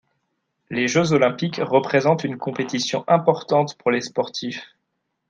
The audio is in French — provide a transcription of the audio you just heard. Les jeux olympiques représentent une compétition importante pour les sportifs.